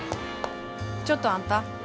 ちょっとあんた。